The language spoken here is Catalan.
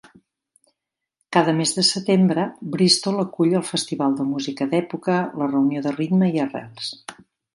Cada mes de setembre, Bristol acull el Festival de música d'època, la reunió de ritme i arrels.